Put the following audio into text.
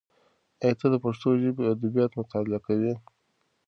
ایا ته د پښتو ژبې ادبیات مطالعه کوې؟